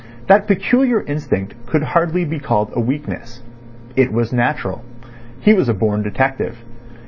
That peculiar instinct could hardly be called a weakness. It was natural. He was a born detective.